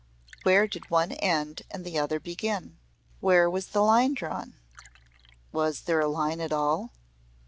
Where did one end and the other begin? Where was the line drawn? Was there a line at all?